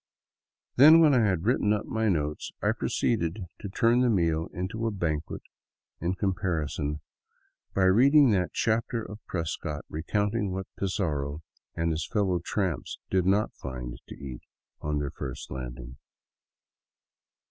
Then, when I had written up my notes, I proceeded to turn the meal into a banquet in comparison, by reading that chapter of Prescott recounting what Pizarro and his fellow tramps did not find to eat on their first landing.